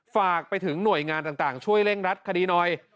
ฝากไปถึงหน่วยงานต่างช่วยเร่งรัดคดีหน่อย